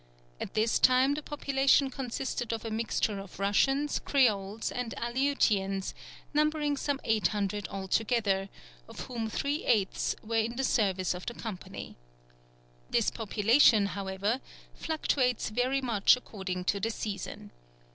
At this time the population consisted of a mixture of Russians, Creoles, and Aleutians, numbering some 800 altogether, of whom three eighths were in the service of the company. This population, however, fluctuates very much according to the season.